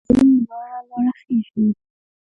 وزې لوړه لوړه خېژي